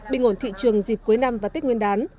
bình ổn thị trường dịp cuối năm và tết nguyên đán